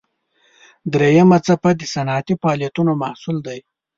دریمه څپه د صنعتي فعالیتونو محصول دی.